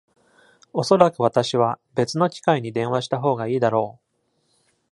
おそらく私は別の機会に電話したほうがいいだろう。